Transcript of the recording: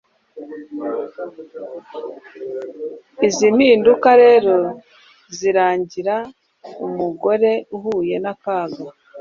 Izi mpinduka rero zirangira umugore ahuye nakaga